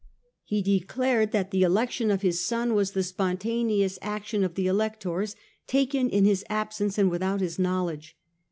He declared that the election of his son was the spontaneous action of the Electors, taken in his absence and without his knowledge.